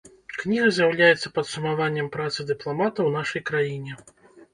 Кніга з'яўляецца падсумаваннем працы дыпламата ў нашай краіне.